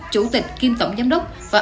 chủ tịch kiêm tổng giám đốc và